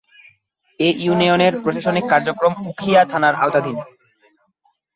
এ ইউনিয়নের প্রশাসনিক কার্যক্রম উখিয়া থানার আওতাধীন।